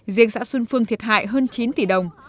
riêng xã xuân phương thiệt hại hơn chín tỷ đồng